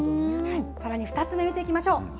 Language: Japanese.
さらに２つ目見ていきましょう。